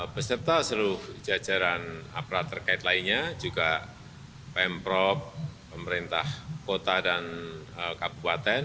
beserta seluruh jajaran aparat terkait lainnya juga pemprov pemerintah kota dan kabupaten